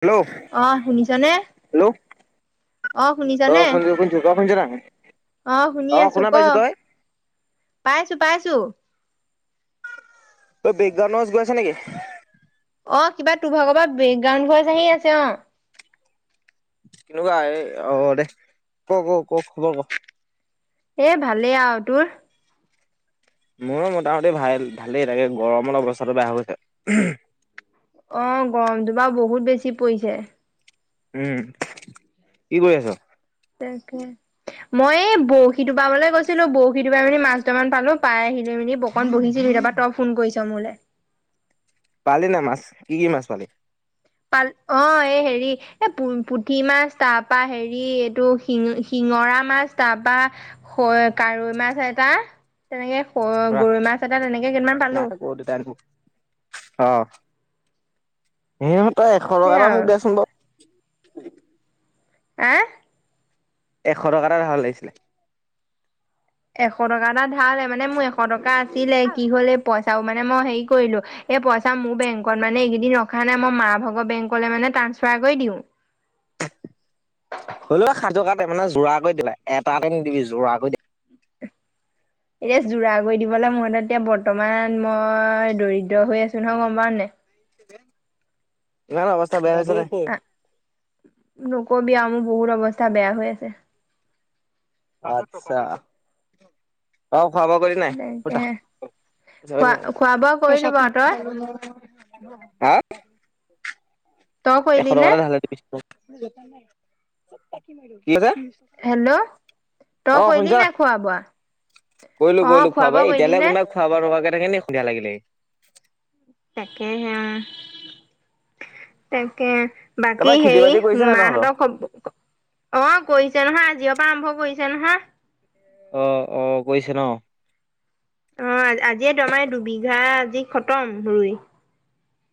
Hello অ', শুনিছা নে? হেল্ল' অ', শুনিছো শুনিছো তই শুনিছ নাই অ শুনি অ', আছো শুনা ক পাইছো তই? পাইছো পাইছো। বেকগ্ৰাউণ্ড নইছ গৈ আছে নেকি? অ', কিবা তোৰ ভাগৰ পৰা বেকগ্ৰাউণ্ড ভইচ আহি আছে অ'। কেনেকুৱা এই অ', দে ক' ক' ক' খবৰ ক'। এ ভালেই আৰু তোৰ? মোৰো মোটামুটি ভাল ভালেই তাকে গৰমৰ অৱস্থাটো বেয়া হৈ গৈছে। অ', গৰমটো বাৰু বহুত বেছি পৰিছে। উম, কি কৰি আছ'? তাকে মই এই বৰশীটো বাবলৈ গৈছিলো বৰশীটো বাই মেলি মাছ দুটা মান পালো পাই আহিলৈ মেলি ব অখন বহিছিলোঁ তাৰপৰা তই ফোন কৰিছ' মোলৈ পালি নাই মাছ কি কি মাছ পালি? পাল অ', এই হেৰি এই প পুঠি মাছ তাৰ পৰা হেৰি এইটো শিঙ শিঙৰা মাছ তাৰ পৰা কাৱৈ মাছ এটা তেনেকে অ', গৰৈ মাছ এটা তেনেকে কিমান পালো। অ, দেতাই আনিব অ', সিহঁতে এশ টকা সেই তটা মোক আৰু দে চোন বাৰু আ, এশ টকা এটা ধাৰলে লাগিছিলে এশ টকা এটা ধাৰ লে, মানে মোৰ এশ টকা আছিলে কি হলে পইচাৰ মানে মই হেৰি কৰিলো এই পইচা মোৰ বেংকত মানে এইকেইদিন ৰখা নাই মই মা ভগৰ বেংকলে মানে ট্ৰাঞ্চফাৰ কৰি দিওঁ হ'ল সাজু কাতে মানে জোৰা কৰি দিলা এটাকে নিদিবি জোৰা কৰি দি এতিয়া যোৰা কৰি দিবলৈ মই এতিয়া বৰ্তমান মই দৰিদ্ৰ হৈ আছো নহয় গম পাওঁ নে? ইমান অৱস্থা বেয়া হৈ আছে নে? নকবি আৰু মোৰ বহুত অৱস্থা বেয়া হৈ আছে আচ্ছা, [unintelligible] খোৱা বোৱা কৰি [unintelligible] [unintelligible] তাকে খোৱা খোৱা বোৱা কৰিলো বাৰু তই তই এশ কৰিলি টকা নে এটা ধাৰে দিবিছোঁ [unintelligible] [unintelligible] হেল্ল'? তই কৰিলি নাই খোৱা বোৱা? কৰিলো অ কৰিলো খোৱা বোৱা, কৰিলি এতিয়ালে নে কোনবাই খোৱা বোৱা নোখোৱাকে থাকে নেকি [unintelligible] লাগিলে তাকেহে, তাকে বাকী তাৰপৰা খেতি হেৰি বাতি কৰিছে নাই তহঁতৰ? মাহঁতৰ খব অ', কৰিছে নহয়, [unintelligible] পৰা আৰম্ভ কৰিছে নহয়। অ', অ', গৈছে নহ? অ', আজিয়ে [unintelligible] দুবিঘা আজি খতম ৰুই।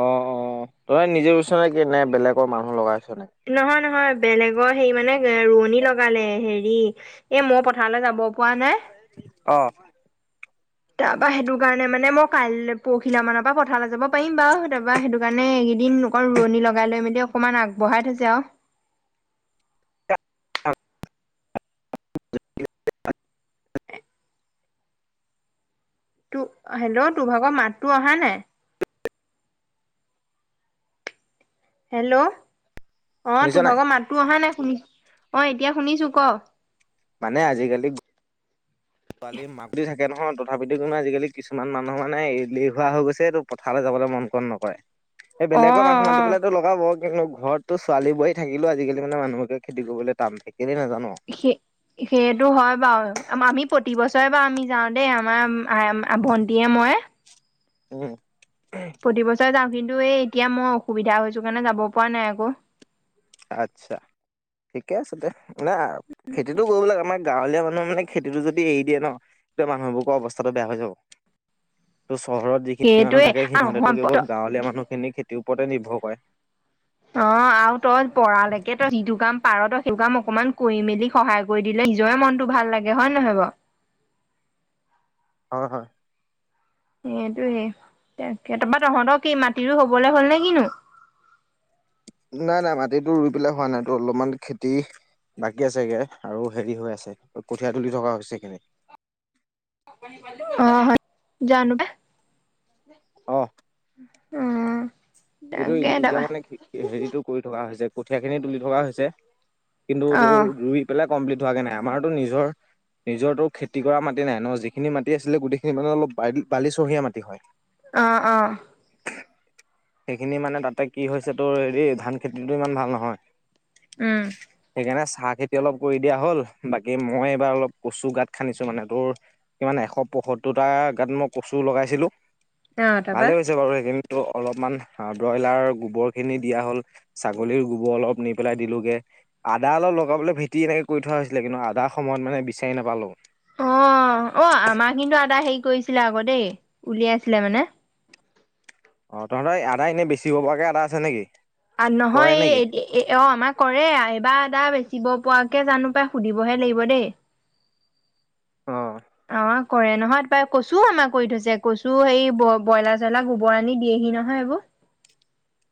অ', অ', তই নিজে [unintelligible] নে কি বেলেগৰ মানুহ লগাইছ নে? নহয়, নহয় বেলেগৰ হেৰি মানে ৰোৱনী লগালে হেৰি এ মই পথাৰলে যাব পৰা নাই। অহ। তাৰ পৰা সেইটো কাৰণে মানে মই কাইলৈ [unintelligible] মানৰ পৰা পথাৰলৈ যাব পাৰিম বাৰু, তাৰপা সেইটো কাৰণে এইকেইদিন অকণ ৰোৱনী লগাই লৈ মেলি অকমান আগবঢ়াই থৈছে আৰু। তো হেল্ল'? তোৰ ভাগৰ মাতটো অহা নাই? হেল্ল'? অ', শুনিছ তোৰ নাই ভাগৰ মাতটো অহা নাই, শুনি অ', এতিয়া শুনিছো ক'? মানে আজিকালি পোৱালি [unintelligible] থাকে নহয়, তথাপিতো কোনো আজিকালি কিছুমান মানুহ মানে এলেহৱা হোৱা হৈ গৈছে [unintelligible] পথাৰলৈ যাবলৈ মন কণ নকৰে। এই অ বেলেগৰ মানুহ অ মাতি পেলাইতো [unintelligible] [unintelligible] কিন্তু ঘৰততো ছোৱালী-বোৱাৰী থাকিলো, আজিকালি মানুহকে খেতি কৰিবলৈ টান [unintelligible] কেলে নাজানো। [unintelligible] সেইটো হয় বাৰু, আমি প্ৰতি বছৰে বাৰু আমি যাওঁ দেই আমাৰ [unintelligible] ভণ্টিয়ে মই। উম, [unintelligible] প্ৰতি বছৰে যাওঁ, কিন্তু এই এতিয়া মই অসুবিধা হৈছো কাৰণে যাব পৰা নাই আকৌ। আচ্ছা, ঠিকে আছে দে। মানে, খেতিটো কৰিব লাগে আমাক গাঁৱলীয়া মানুহ মানে খেতিটো যদি এৰি দিয়ে নহ, তেতিয়া মানুহবোৰৰ অৱস্থাটো বেয়া হৈ যাব। ত' চহৰত যিখিনি মানুহ সেইটোৱে থাকে, সিহঁতেতো কেৱল নহয় গাঁৱলীয়া মানুহখিনি খেতিৰ ওপৰতে নিৰ্ভৰ কৰে। অ', আৰু তই পৰালৈকে তই যিটো কাম পাৰ' তই সেইটো কাম অকমান কৰি মেলি সহায় কৰি দিলে নিজৰে মনটো ভাল লাগে, হয় নে নহয় বাৰু? হয়, হয়। সেইটোয়ে কে তাপা তহঁত মাটিৰো হবলৈ হ'ল নে কিনো। নাই-নাই মাটিতো ৰুই পেলাই হোৱা নাই, তো অলমান খেতি বাকী আছেগে, আৰু হেৰি হৈ আছে কঠীয়া তুলি থকা হৈছে সেইখিনি। অ', হয়, জানো। অ'। উম। এইটো তাকে এতিয়া তাৰপা মানে হেৰিটো কৰি থকা হৈছে কঠীয়া, খিনি তুলি থকা হৈছে। কিন্তু অ তোৰ ৰুই পেলাই কমপ্লিট হোৱাকে নাই, আমাৰতো নিজৰ নিজৰতো খেতি কৰা মাটি নাই নহ, যিখিনি মাটি আছিলে গোটেইখিনি মানে অলপ বালি-বালিচহীয়া মাটি হয়। অ', অ'। সেইখিনি মানে তাতে কি হৈছে, তোৰ হেৰি ধান খেতিটো ইমান ভাল নহয়। উম। সেইকাৰণে চাহ খেতি অলপ কৰি দিয়া হ'ল বাকী মই এইবাৰ অলপ কচু গাত খান্দিছো মানে তোৰ কিমান এশ পয়সত্তৰটা গাত মই কচু লগাইছিলোঁ। অ তাৰপা ভালে হৈছে বাৰু সেইখিনি অলপমান। হা ব্ৰইলাৰৰ গোবৰ খিনি দিয়া হ'ল ছাগলীৰ গোবৰ অলপ নি পেলাই দিলোগে। আদা অলপ লগাবলৈ ভেটি এনেকৈ কৰি থোৱা হৈছিলে কিন্তু আধা সময়ত মানে বিচাৰি নাপালোঁ। অ', অ', আমাৰ কিন্তু আটা হেৰি কৰিছিলে আকৌ দেই উলিয়াই আছিলে মানে। অ', তহঁতৰ আদা এনে বেছিব পৰাকৈ আদা আছে নেকি। কৰে নহয় নেকি এই এ অ', আমাৰ কৰে এইবাৰ এটা বেচিব পৰাোৱকে জানো পাই সুধিবহে লাগিব দেই। অ'। অ', কৰে নহয় পাই কচুও আমাৰ কৰি থৈছে কচুও সেই ব্ৰইলাৰ চয়লাৰ গোবৰ আনি দিয়েহি নহয় এইবোৰ।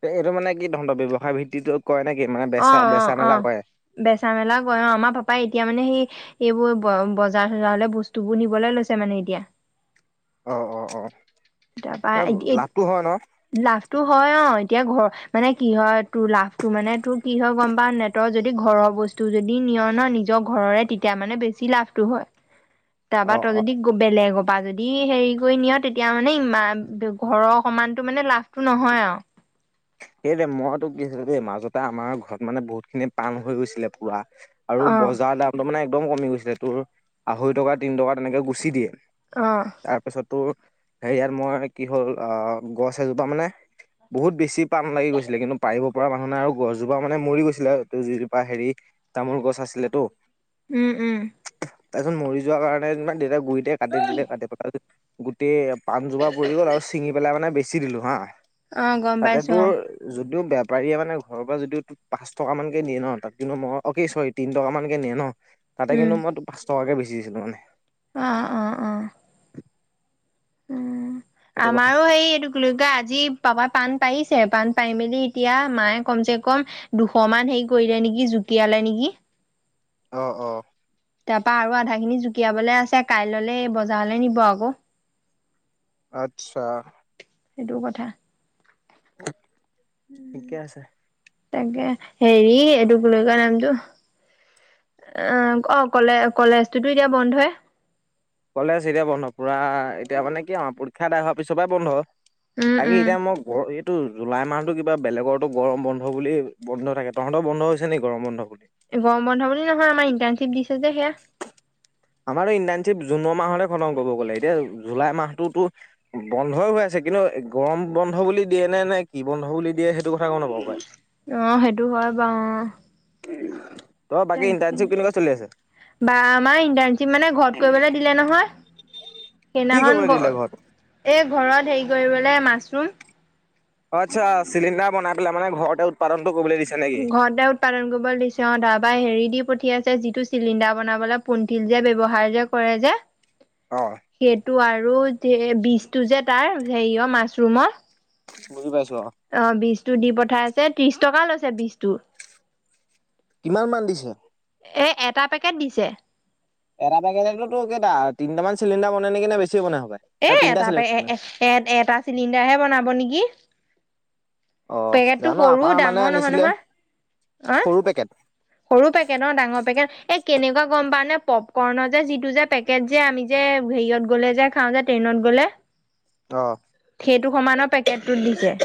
এইটো মানে কি ধৰৰ ব্যৱসায় ভিত্তিত কৰে নেকি মানে বেচা অ', অ', বেচা অ', মেলা কৰে। বেচা মেলা কয় অ', আমাৰ পাপাই এতিয়া মানে সেই এইবোৰ বজাৰ চজাৰ হলে বস্তু বোৰ নিবলৈ লৈছে মানে এতিয়া। অ অ অ তাৰপা। লাভটো হয় ন লাভটো হয় অ', এতিয়া ঘৰ মানে কি হয় তোৰ লাভটো মানে তোৰ কি হয় গ'ম পাৱনে নাই যদি ঘৰৰ বস্তু যদি নিয় ন নিজৰ ঘৰৰে তেতিয়া মানে বেছি লাভটো হয়। [inaudible] তাৰপাৰ ত ই অ যদি বেলেগৰ পৰা যদি হেৰি কৰি নিয় তেতিয়া মানে ইমান ঘৰৰ সমানতো মানে লাভটো নহয় আৰু। সেই দে মইতো কি আছিলোঁ দেই মাজতে আমাৰ ঘৰত মানে বহুত খিনি পাণ হৈ গৈছিলে পুৰা আৰু অ'। বজাৰ দামটো মানে একদম কমি গৈছিলে তোৰ আঢ়ৈ টকা তিনি টকা তেনেকে গুচি দিয়ে। অ', তাৰ পিছত তো সে ইয়াত মই কি হ'ল গছ এজোপা মানে বহুত বেছি পাণ লাগি গৈছিলে কিন্তু পাৰিব পৰা মানুহ নে আৰু গছজোপা মানে মৰি গৈছিলে যিজোপা হেৰি তামোল গছ আছিল তো। উম, উম। তাৰপিছত মৰি যোৱাৰ কাৰণে তাৰ দেউতাক গুৰিতে কাটি দিলে কাটি পেলায় গোটেই পাণজোপা পৰি গ'ল আৰু ছিঙি পেলাই মানে বেছি দিলো হা। অ', গম তাতে পাইছোঁ তোৰ অ'। যদিও বেপাৰীয়ে মানে ঘৰৰ পৰা যদিও পাঁচ টকা মানকে দিয়ে ন তাত কিন্তু মই চৰি তিন টকা মানকে নিয়ে ন। তাতে উম, কিন্তুই পাচ টকাকে বেচি দিছিলোঁ মানে। অ', অ', অ'। উম, সেইটো কথা। আমাৰো সেই এইটো লগা আজি পাপাই পাণ পাৰিছে পাণ পাই মেলি এতিয়া মায়ে কমচে কম দুশ মান হেৰি কৰিলে নেকি জুতিয়ালে নেকি। অ', অ'। তাৰ পা আৰু আধা খিনি জুকিয়াবলৈ আছে কাই ললে বজাৰলৈ নিব আকৌ আচ্ছা। সেইটো কথা। ঠিকে আছে। তাকে হেৰি এইটো কি বুলি কয় নামটো অ', অ', কলে কলেজ টোতো এতিয়া বন্ধই। কলেজ এতিয়া বন্ধ পুৰা এতিয়া মানে কি আৰু পৰীক্ষা আদায় হোৱাৰ পিছৰ পৰাই বন্ধ। উম, উম। বাকী এতিয়া মই এইটো জুলাই মাহতো কিবা বেলেগৰটো গৰম বন্ধ বুলি বন্ধ থাকে তহতৰ বন্ধ হৈছে নেকি গৰম বন্ধ বুলি? গৰম বন্ধ বুলি নহয় আমাৰ ইণ্টাৰ্শ্বিপ দিছে যে সেয়া আমাৰ ইণ্টাৰ্ণশ্বিপ জুনৰ মাহতে খতম কৰিব গ'লে এতিয়া জুলাই মাহটোতো বন্ধই হৈ আছে কিন্তু গৰম বন্ধ বুলি দিয়ে নে নে কি বন্ধ বুলি দিয়ে সেইটো কথা গম নাপাওঁ কাই অ', সেইটো হয় বাৰু ত' বাকী তাকে। ইণ্টাৰশ্বিপ কেনেকুৱা চলি আছে? বা আমাৰ ইণ্টাৰণশ্বিপ মানে ঘৰত কৰিবলে দিলে নহয় কি সেইদিনাখন কৰিবলৈ ঘ দিলে ঘৰত এই ঘৰত হেৰি কৰিবলৈ মাছৰুম আচ্ছা চিলিণ্ডাৰ বনাই পেলাই মানে ঘৰতে উৎপাদনটো কৰিবলৈ দিছিল ঘৰতে উ উৎপাদন কৰিব দিচে অ', তাৰপা হেৰি দি পঠিয়াইছে, যিটো চিলিণ্ডাৰ বনাবলৈ পুনথিল যে ব্যৱহাৰ যে কৰে যে অ' সেইটো আৰু বিশটো যে তাৰ হেৰিয় মাছৰুমৰ বুজি পাইছো অ', অ', বীজটো দি পঠাইছে ত্ৰিশ টকা লৈছে বীজটো। কিমান মান দিছে? এ এটা পেকেট দিছে। এটা পেকেটটোতো কেইটা তিনিটামান চিলিণ্ডাৰ বনে নেকি নে বেছি বনাই সপাই তিনিটা এটা চ এ এটা চিলিণ্ডাৰ হে বনাব নেকি। অ পেকেটটো জানো সৰু আমাৰ মানে ডাঙৰ নহয় আনিছিলে নহয়। সৰু পেকেট সৰু পেকেট অ', ডাঙৰ পেকেট এই কেনেকুৱা গম পাও নে পপকৰ্ণ যে যিটো যে পেকেট যে আমি যে হেৰিয়ত গ'লে যে খাওঁ যে ট্ৰেইনত গ'লে অ', সেইটো সমানৰ পেকেটটোত দিছে।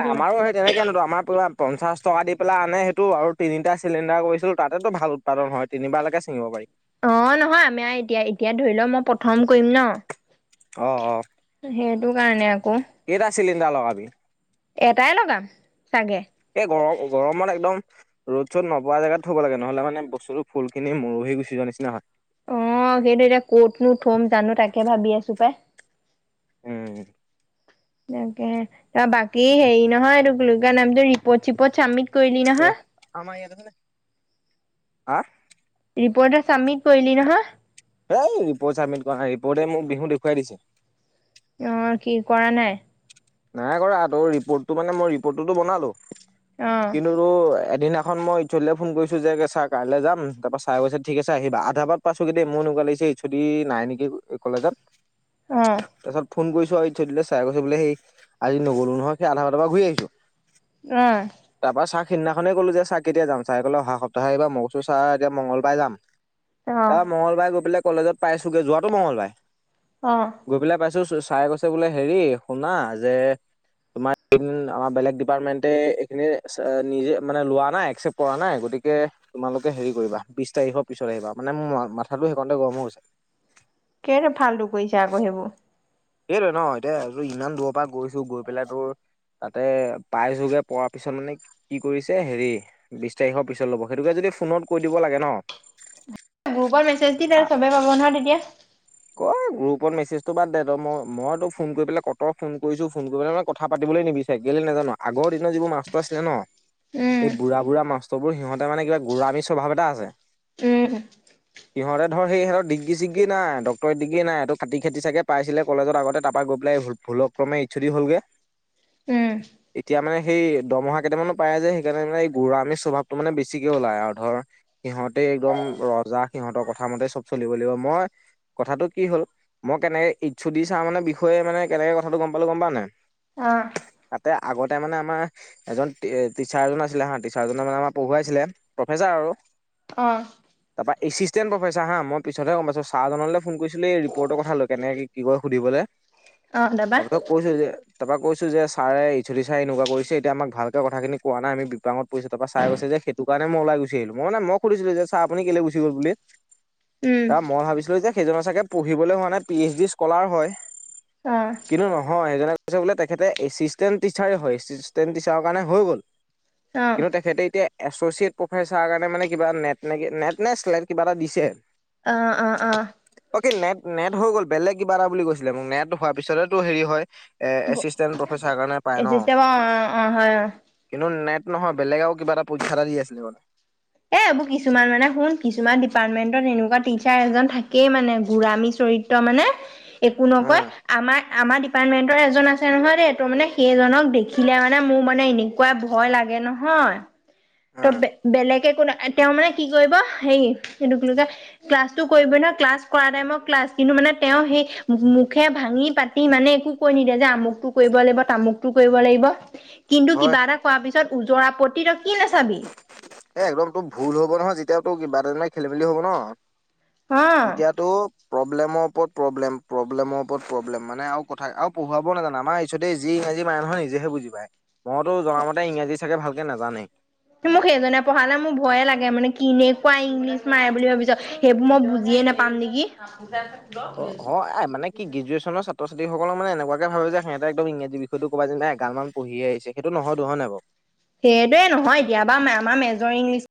এ আমাৰো সেই তেনেকেনতো আমাৰ পৰা পঞ্চাছ টকা দি পেলাই আনে সেইটো আৰু তিনিটা চিলিণ্ডাৰ কৰিছিলোঁ তাতেতো ভাল উৎপাদন হয় তিনিবাৰ লৈকে চিঙিব পাৰি। অ', নহয় আমাৰ এতিয়া এতিয়া ধৰি ল' মই প্ৰথম কৰিম ন' অ', অ'। সেইটো কাৰণে আকৌ। কেইটা চিলিণ্ডাৰ লগাবি? এটাই লগাম চাগে। এই গৰম গৰমত একদম ৰ'দ চ'দ নপৰা জেগাত থ'ব লাগে নহলে মানে বস্তুটো ফুলখিনি মৰহি গুচি যোৱা নিচিনা হয়। অ', সেইটো এতিয়া কতনো থম জানো তাকে ভাবি আছো পাই। উম তাকে ত' বাকী হেৰি নহয় এটো কি বুলি কয় নামটো ৰিপৰ্ট চিপৰ্ট চাবমিট কৰিলি এয়া নহয়? আমাৰ ইয়াত আছে নে হাঁ ৰিপৰ্ট চাবমিট কৰিলি নহয়? সেই ৰিপৰ্ট চাবমিট কৰা নাই, ৰিপৰ্টে মোক বিহু দেখুৱাই দিছে। অ', কি কৰা নাই? নাই কৰা তোৰ ৰিপৰ্টটো মানে মই ৰিপৰ্টটোতো বনালো অ কিন্তু এদিনাখন মই হ'লে ফোন কৰিছোঁ যে ছাৰ কাইলৈ যাম তাৰপৰা ছাৰে কৈছে ঠিক আছে আহিবা আধাপা পাইছোগে দেই মোৰ এনেুৱা লাগিছে এছ অ দি নাই নেকি কলেজত অ তাৰপিছত ফোন কৰিছো, আৰু এইচচ ও ডি লে ছাৰে কৈছে বোলে সেই আজি নগ'লো নহয়, সেই আধা বাটৰ পৰা ঘুৰি আহিছোঁ। উম। তাৰপৰা চাৰক সিদিনাখনেই ক'লো যে চাৰ কেতিয়া যাম, চাৰে ক'লে অহা সপ্তাহে আহিবা, মই কৈছো চাৰ মই মঙগলবাৰে যাম। অ তাৰ মঙ্লবাৰে গৈ পেলাই কলেজত পাইছোগে, যোৱাটো মঙ্লবাৰে অঁ। গৈ পেলাই পাইছোঁ, চাৰে কৈছে বোলে, হেৰি শুনা যে তোমাৰ, আমাৰ বেলেগ ডিপাৰ্টমেণ্টে এইখিনি নিজে মানে লোৱা নাই, একচেপ্ট কৰা নাই, গতিকে তোমালোকে হেৰি কৰিবা, বিশ তাৰিখৰ পিছত আহিবা, মানে মোৰ মাথাটো সেইকণতে গৰম হৈ গৈছে। কেলেই ফাল্টো কৰিছে আকৌ সেইবোৰ। সেইটোৱে ন', এতিয়া তোৰ ইমান দূৰৰ পৰা গৈছো, গৈ পেলাই তোৰ তাতে পাইছোগে, পােৱাৰ পিছত মানে কি কৰিছে হেৰি, বিশ তাৰিখৰ পিছত ল'ব, সেইটোকে যদি ফোনত কৈ দিব লাগে ন'। গ্ৰুপত মেছেজ দিয়ক, চবেই পাব নহয় তেতিয়া। ক'ত গ্ৰূপত মেছেজটো বাদ দে, তই, মই, মইতো ফোন কৰি পেলাই কট' ফোন কৰিছোঁ, ফোন কৰি পেলাই মানে কথা পাতিবলৈ নিবিচাৰে কেলে নাজানা আৰু। আগৰ দিনত যিবোৰ মাছ্টৰ আছিলে ন' উম এই বুঢ়া বু়ঢ়া মাষ্টৰবোৰ সিহঁতে মানে কিবা, গু়লামি স্বভাৱ এটা আছে। উম সিহঁতে ধৰ, সেই সিহঁতৰ ডিগ্ৰি-চিগ্ৰি নাই। ডিগ্ৰি নাই, এইটো খাটি খাটি চাগে পাইছিলে কলেজত আগতে, তাৰ পৰা গৈ ভুলক্ৰমে এইচ ও দি হ'লগে। [unintelligible] উম। এতিয়া মানে সেই, দৰমহা কেইটামানো পায় যে, সেইকাৰণে মানে এই গুলামী স্বভাৱটো মানে বেছিকে ওলায় আৰু, ধৰ সিহঁতে একদম ৰজা, সিহঁতৰ কথাামতেই চব চলিব লাগিব, মই কথাটো কি হ'ল, মই কেনেকে এইচ্ ও দি চাৰৰ মানে বিষয়ে মানে কেনেকে কথাটো গম পালো গম পালানে নাই। অ'। তাতে আগতে মানে আমাৰ এজন টিচাৰজন আছিলে হা, টিচাৰজন মানে আমাক পঢ়োৱাইছিলে, প্ৰফেচাৰ আৰু। অঁ। তাৰ পৰা এচিষ্টেণ্ট প্ৰফেচাৰ হা, মই পিছতহে গম পাইছো, চাৰ জনলৈ ফোন কৰিছিলোঁ এই ৰিপৰ্টৰ কথা লৈ কেনে, কি কয় সুধিবলৈ। অ', তাৰ তাৰপিছত পৰা। কৈছো যে, তাৰপৰা কৈছো যে ছাৰে এইচ্ ও ডি চাৰে এনেকুৱা কৰিছে, এতিয়া আমাক ভালকে কথাখিনি কোৱা নাই, আমি বিপাঙত ছাৰে কৈছে যে, সেইটো কাৰণে মই ওলাই গুচি আহিলো, মই মানে, মই সুধিছিলো যে ছাৰ আপুনি কেলৈ গুচি গ'ল বুলি। উম এ, মই ভাবিছিলোঁ, যে সেইজনৰ চাগে পঢ়িবলৈ হোৱা নাই, পি এইচ ডি স্কলাৰ হয়। অ'। কিন্তু নহয়, সেইজনে কৈছে বোলে, তেখেতে এচিষ্টেণ্ট টিচাৰেই হয়, এছিষ্টেণ্ট টিচাৰৰ কাৰণে হৈ গ'ল অ কিন্তু তেখেতে এতিয়া এছচিয়েট প্ৰফেচাৰৰ কাৰণে মানে কিবা নেট, নে, নেট নে চেক্ট কিবা এটা দিছে। অ, অ, অ'। অ', কি নেট, নেট হৈ গ'ল, বেলেগ কিবা এটা বুলি কৈছিলে মোক, নেট হোৱাৰ পিছতহে তোৰ হেৰি হয়। এছিষ্টেণ্ট প্ৰফেচাৰ কাৰণে পায় ন'। এচিষ্টেম অ অ অ হয় অ কিন্তু নেট নহয়, বেলেগে আৰু কিবা এটা পৰীক্ষা এটা দি আছিলে মানে। এ, এইবোৰ কিছুমান মানে শুন, কিছুমান ডিপাৰ্টমেণ্টত এনেকুৱা টিচাৰ এজন থাকেই মানে, গুড়ামী চৰিত্ৰ। ত' মানে একো নকয়, উম আমাৰ, আমাৰ এপাৰ্টমেণ্টৰ এজন আছে নহয় দেই তোৰ মানে সেইজনক দেখিলে মানে মোৰ মানে এনেকুৱা ভয় লাগে নহয় ত' উম বেলেগে একো নাই তেওঁ মানে কি কৰিব হেৰি এইটো কলো যে ক্লাছটো কৰিবই নহয় ক্লাছ কৰা টাইমত ক্লাছ কিন্তু মানে তেওঁ সেই মুখে ভাঙি পাতি মানে একো কৈ নিদিয়ে যে আমুকটো কৰিব লাগিব তামুকটো কৰিব লাগিব। [inaudible] কিন্তু কিবা এটা কৰা পিছত ওজৰাপতি তই কি নাচাবি এ একদম তোৰ ভুল হ'ব নহয় যেতিয়াও তোৰ কিবা এটা খেলি মেলি হ'ব ন'। অ এতিয়াতো প্ৰব্লেমৰ ওপৰত প্ৰব্লেম, প্ৰব্লেমৰ ওপৰত প্ৰব্লেম মানে আৰু কথা আৰু পঢ়োৱাব নাজানে আমাৰ পিছতে যি ইংৰাজী মাৰে নহয় নিজেহে বুজি পায় মইতো জনামতে ইংৰাজী চাগে ভালকে নাজানে। মোক সেইজনে পঢ়ালে মোৰ ভয়ে লাগে মানে কেনেকুৱা ইংলিছ মাৰে বুলি ভাবিছ' সেইবোৰ মই বুজিয়ে নাপাম নেকি অ' এ মানে কি গ্ৰেজুৱেশ্যনৰ ছাত্ৰ ছাত্ৰীসকলক মানে এনেকুৱাকে ভাবে যে সিহঁতে একদম ইংৰাজী বি সেইটো কবা যে নাই, এগালমান পঢ়িয়ে আহিছে সেইটো নহয়টো হয় নাই বাৰু? সেইটোৱে নহয় এতিয়াবা আমাৰ মেজৰ ইংলিছ